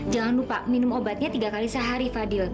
jangan lupa minum obatnya tiga kali sehari fadil